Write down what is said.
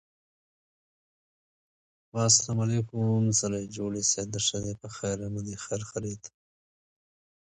There's little attempt at generalization or abstract theorizing.